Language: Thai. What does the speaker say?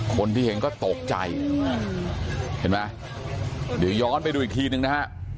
คนที่เห็นก็ตกใจเห็นไหมเดี๋ยวย้อนไปดูอีกทีนึงนะฮะ